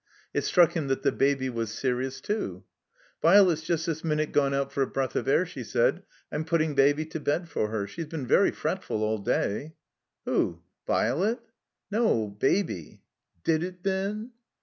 It struck him that the Baby was serious, too. "Violet's just this minute gone out for a breath of air," she said. I'm putting Baby to bed for her. She's been very fretftd all day." "Who? Virelet?" "No, Baby. (Did it then!)."